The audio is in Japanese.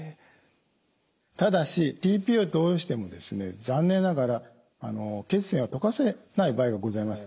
ただしｔ−ＰＡを投与しても残念ながら血栓を溶かせない場合がございます。